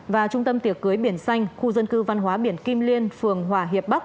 và trung tâm tiệc cưới biển xanh khu dân cư văn hóa biển kim liên phường hòa hiệp bắc